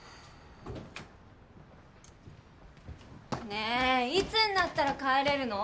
ねえいつになったら帰れるの？